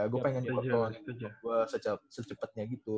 ya gua pengen juga tolongin keluarga gua secepetnya gitu